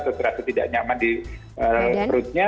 atau terasa tidak nyaman di perutnya